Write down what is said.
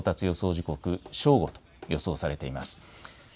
時刻、正午と予想されています。